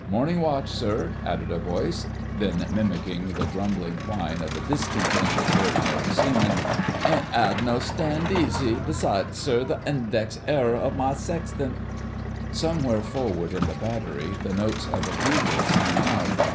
"Morning watch, sir," added a voice; then, mimicking the grumbling whine of a discontented Ordinary Seaman: "Ain't 'ad no stand easy—besides, sir, the index error of my sextant——" Somewhere forward in the battery the notes of a bugle sang out.